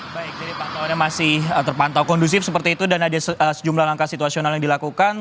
baik jadi pantauannya masih terpantau kondusif seperti itu dan ada sejumlah langkah situasional yang dilakukan